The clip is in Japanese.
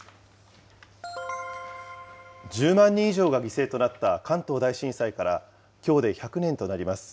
１０万人以上が犠牲となった関東大震災から、きょうで１００年となります。